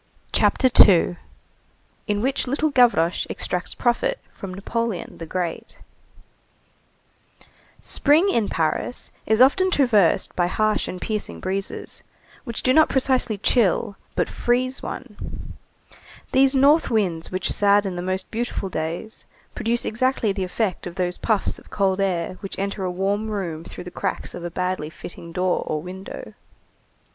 CHAPTER II—IN WHICH LITTLE GAVROCHE EXTRACTS PROFIT FROM NAPOLEON THE GREAT Spring in Paris is often traversed by harsh and piercing breezes which do not precisely chill but freeze one; these north winds which sadden the most beautiful days produce exactly the effect of those puffs of cold air which enter a warm room through the cracks of a badly fitting door or window.